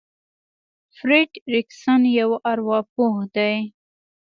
فرېډ ريکسن يو ارواپوه دی.